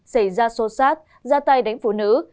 xảy ra xô xát ra tay đánh phụ nữ